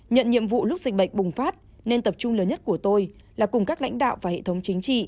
nhận nhiệm vụ lúc dịch bệnh bùng phát nên tập trung lớn nhất của tôi là cùng các lãnh đạo và hệ thống chính trị